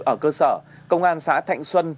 ở cơ sở công an xã thạnh xuân